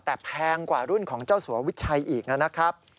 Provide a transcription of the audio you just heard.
แต่แพงกว่ารุ่นของเจ้าสัววิชัยอีกนะครับ